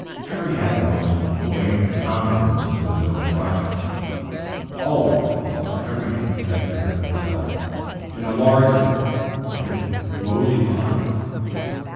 Harry had the most buoyant confidence in his own projects always; he saw everything connected with himself in a large way and in rosy lines.